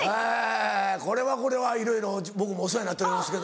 これはこれはいろいろ僕もお世話になっておりますけども。